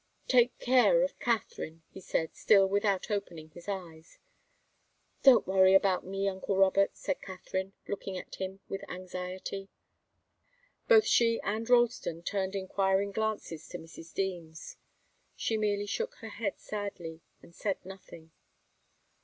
"Take care of Katharine," he said, still without opening his eyes. "Don't worry about me, uncle Robert," said Katharine, looking at him with anxiety. Both she and Ralston turned enquiring glances to Mrs. Deems. She merely shook her head sadly and said nothing.